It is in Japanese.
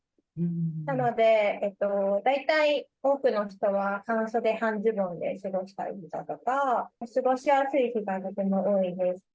なので、大体多くの人は、半袖、半ズボンで過ごす人とか、過ごしやすい日がとても多いです。